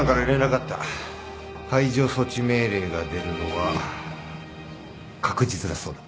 排除措置命令が出るのは確実だそうだ。